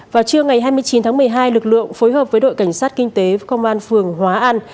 vào trưa ngày hai mươi chín tháng một mươi hai lực lượng phối hợp với đội cảnh sát kinh tế công an phường hóa an